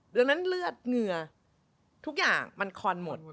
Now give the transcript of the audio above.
ดังนั้นเลือดเหงื่อทุกอย่างมันคอนหมด